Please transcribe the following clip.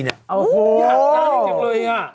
โอ้โหอยากได้จริงเลยอ่ะ